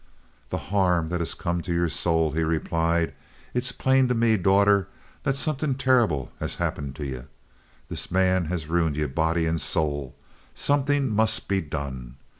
"The harm that has come to yer soul!" he replied. "It's plain to me, daughter, that somethin' terrible has happened to ye. This man has ruined ye, body and soul. Somethin' must be done.